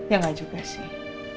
ya enggak juga sih